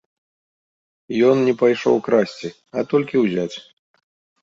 Ён не пайшоў красці, а толькі ўзяць.